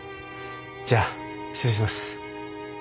じゃあ失礼します。